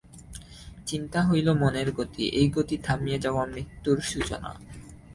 চিন্তা হইল মনের গতি, এই গতি থামিয়া যাওয়া মৃত্যুর সূচনা।